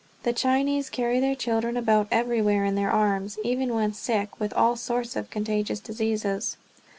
The Chinese carry their children about everywhere in their arms, even when sick with all sorts of contagious diseases.